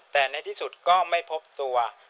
แต่ในที่สุดก็ไม่พบตัว